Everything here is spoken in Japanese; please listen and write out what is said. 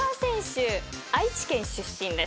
愛知県出身です。